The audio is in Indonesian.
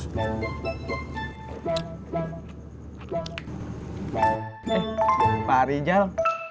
eh pak rijal